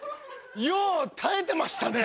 よう耐えてましたね。